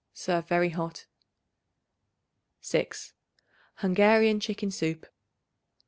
Serve very hot. 6. Hungarian Chicken Soup.